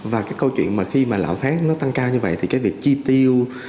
và cái câu chuyện mà khi mà lãng phát nó tăng cao như vậy thì cái việc chi tiêu